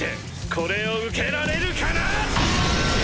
これを受けられるかな？